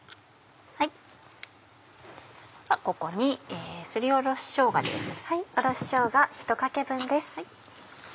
ここにすりおろししょうがです。